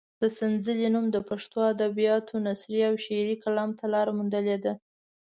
د سنځلې نوم د پښتو ادبیاتو نثري او شعري کلام ته لاره موندلې ده.